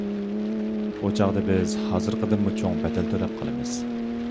ئۇ چاغدا بىز ھازىرقىدىنمۇ چوڭ بەدەل تۆلەپ قالىمىز.